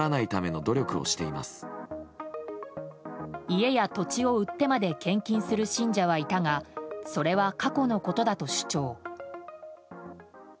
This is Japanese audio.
家や土地を売ってまで献金する信者はいたがそれは過去のことだと主張。